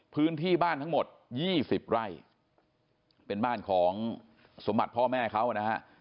พื้นที่บ้านทั้งหมด๒๐ไร่เป็นบ้านของสมบัติพ่อแม่เขานะฮะ